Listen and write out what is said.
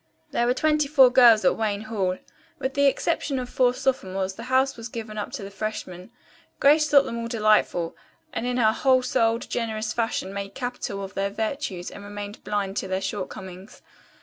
There were twenty four girls at Wayne Hall. With the exception of four sophomores the house was given up to freshmen. Grace thought them all delightful, and in her whole souled, generous fashion made capital of their virtues and remained blind to their shortcomings.